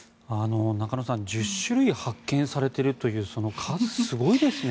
中野さん１０種類発見されているというその数、すごいですね。